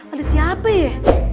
ada siapa ya